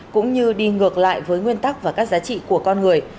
cũng như đi ngược lại với nguyên tắc và các giá trị của con người